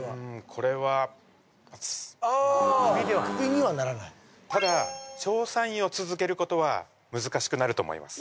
これはバツああクビにはならないただ調査員を続けることは難しくなると思います